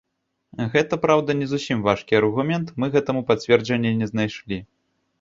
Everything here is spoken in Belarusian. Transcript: Гэта, праўда, не зусім важкі аргумент, мы гэтаму пацверджання не знайшлі.